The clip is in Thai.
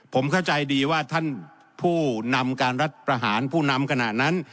ผมเข้าใจดีว่าท่านผู้นำการรัฐประหารผู้นำขณะนั้น